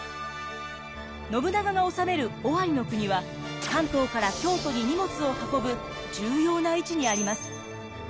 信長が治める尾張の国は関東から京都に荷物を運ぶ重要な位置にあります。